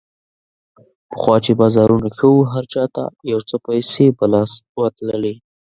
پخوا چې بازارونه ښه وو، هر چا ته یو څه پیسې په لاس ورتللې.